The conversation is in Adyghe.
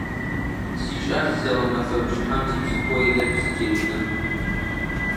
СикӀас сэ гъэмэфэ пчыхьэм типсыхъо инэпкъ сытетыныр.